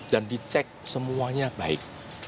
dan dicek semuanya baik